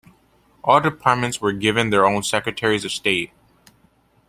All departments were given their own Secretaries of State.